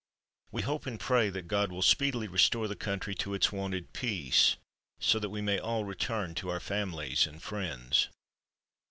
We hope and pray that God will speedily restore the country to its wonted peace, so that we may all return to our families and friends."